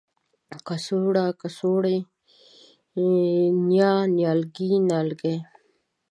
کڅوړه ، کڅوړې ،نیال، نيالګي، نیالګی